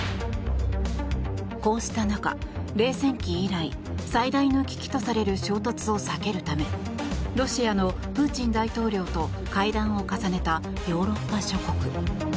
こうした中、冷戦期以来最大の危機とされる衝突を避けるためロシアのプーチン大統領と会談を重ねたヨーロッパ諸国。